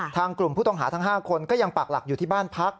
กลุ่มผู้ต้องหาทั้ง๕คนก็ยังปากหลักอยู่ที่บ้านพัก